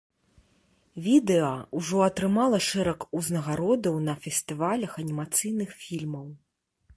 Відэа ўжо атрымала шэраг узнагародаў на фестывалях анімацыйных фільмаў.